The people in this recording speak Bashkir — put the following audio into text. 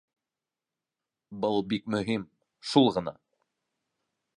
Был бик мөһим, шул ғына.